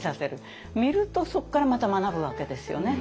見るとそこからまた学ぶわけですよね。